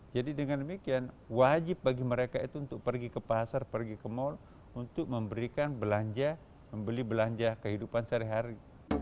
jadi dengan demikian wajib bagi mereka itu untuk pergi ke pasar pergi ke mal untuk memberikan belanja membeli belanja kehidupan sehari hari